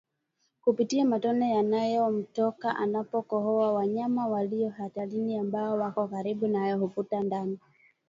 kupitia matone yanayomtoka anapokohoa Wanyama walio hatarini ambao wako karibu naye huvuta ndani